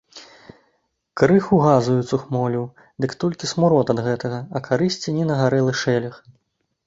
Крыху газаю цухмоліў, дык толькі смурод ад гэтага, а карысці ні на гарэлы шэлег.